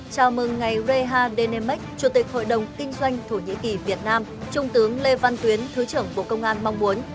chào mừng ngày reha denemek chủ tịch hội đồng kinh doanh thổ nhĩ kỳ việt nam trung tướng lê văn tuyến thứ trưởng bộ công an mong muốn